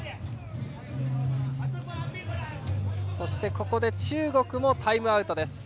ここで中国もタイムアウトです。